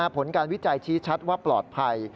ผลการวิจัยชี้ชัดว่าปลอดภัย